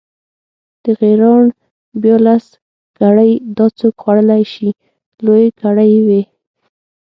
د غیراڼ بیا لس کړۍ، دا څوک خوړلی شي، لویې کړۍ وې.